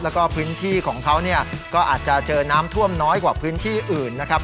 แล้วก็พื้นที่ของเขาก็อาจจะเจอน้ำท่วมน้อยกว่าพื้นที่อื่นนะครับ